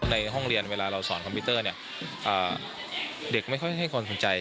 ในห้องเรียนเวลาเราสอนคอมพิวเตอร์เนี่ยเด็กไม่ค่อยให้คนสนใจ